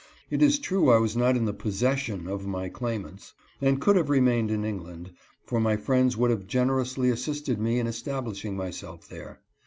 It is true I was not in the possession of my claim ants, and could have remained in England, for my friends would have generously assisted me in establishing myself there.